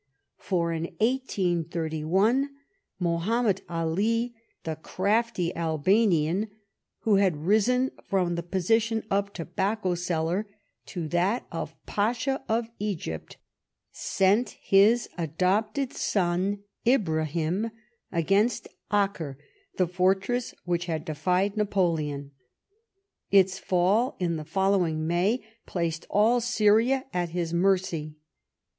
For in 1831 Mahomet Ali, the crafty Albanian who had risen from the position of tobacco seller to that of the Pasha of Egypt, sent his adopted son Ibrahim against Acre, the fortress which had defied Napoleon ; its fall in the following May placed all Syria at his mercy.